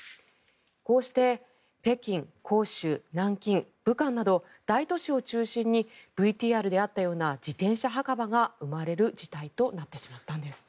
こうして北京、広州、南京、武漢など大都市を中心にＶＴＲにあったような自転車墓場が生まれる事態となってしまったようなんです。